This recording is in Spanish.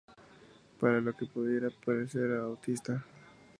Pese a lo que le pudiera parecer a Bautista